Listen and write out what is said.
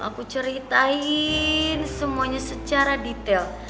aku ceritain semuanya secara detail